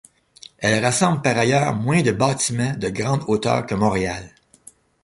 Elle rassemble par ailleurs moins de bâtiments de grande hauteur que Montréal.